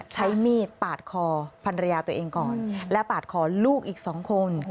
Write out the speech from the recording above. ใช้มีดปาดคอภรรยาตัวเองก่อนและปาดคอลูกอีกสองคน